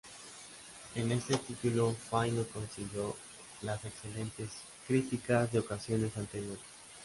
En este título Fay no consiguió las excelentes críticas de ocasiones anteriores.